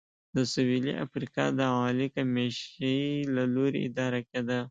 د سوېلي افریقا د عالي کمېشۍ له لوري اداره کېده.